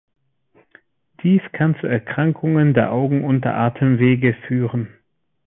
Dies kann zu Erkrankungen der Augen und der Atemwege führen.